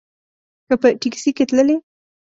که په ټیکسي کې تللې.